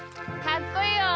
かっこいいよ！